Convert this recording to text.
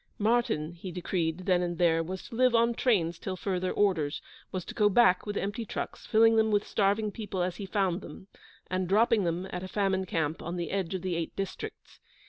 Martyn, he decreed, then and there, was to live on trains till further orders; was to go back with empty trucks, filling them with starving people as he found them, and dropping them at a famine camp on the edge of the Eight Districts.